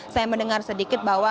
saya mendengar sedikit bahwa